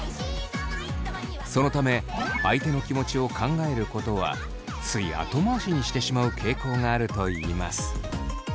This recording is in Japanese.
そのため相手の気持ちを考えることはつい後回しにしてしまう傾向があるといいます。